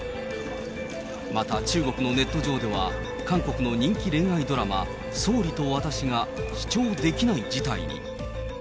また、中国のネット上では、韓国の人気恋愛ドラマ、総理と私が視聴できない事態に。